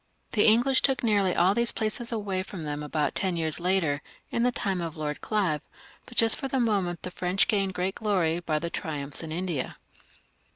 The English took nearly all these places away from them about ten years later, in the time of Lord Olive, but just at the moment the French gained great glory by their triumphs in India.